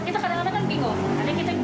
kita kadang kadang bingung karena kita cekunin